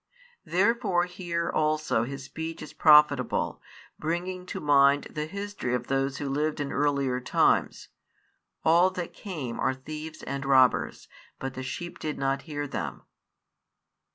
Therefore here also his speech is profitable, bringing to mind the history of those who lived in earlier times: All that came are thieves and robbers: but the sheep did not hear them.